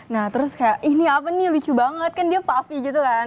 nah terus kayak ini apa nih lucu banget kan dia puffi gitu kan